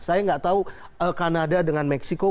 saya nggak tahu kanada dengan meksiko